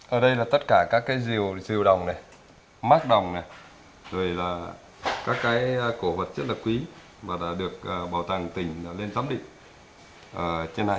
ở đây là tất cả các cái diều diều đồng này mát đồng này rồi là các cái cổ vật rất là quý và đã được bảo tàng tỉnh lên giám định trên này